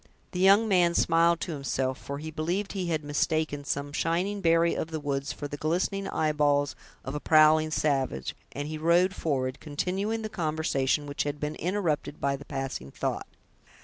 The young man smiled to himself, for he believed he had mistaken some shining berry of the woods for the glistening eyeballs of a prowling savage, and he rode forward, continuing the conversation which had been interrupted by the passing thought.